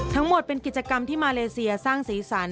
ทั้งหมดเป็นกิจกรรมที่มาเลเซียสร้างสีสัน